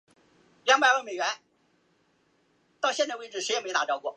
沮渠蒙逊乘胜包围姑臧。